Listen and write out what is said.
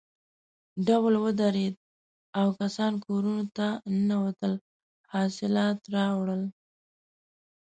ډول ودرېد او کسان کورونو ته ننوتل حاصلات راوړل.